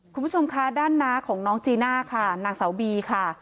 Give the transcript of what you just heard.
คุณผู้ชมคะด้านน้าของน้องจีน่าค่ะนางสาวบีค่ะ